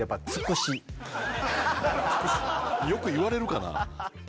よくいわれるかなぁ？